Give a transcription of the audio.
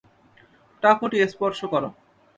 টাকুটি স্পর্শ করো।